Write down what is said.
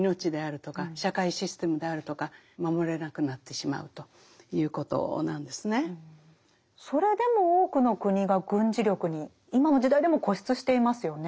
そうするとそれでも多くの国が軍事力に今の時代でも固執していますよね。